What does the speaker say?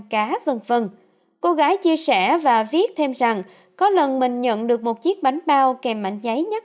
cá v v cô gái chia sẻ và viết thêm rằng có lần mình nhận được một chiếc bánh bao kèm mạnh giấy nhất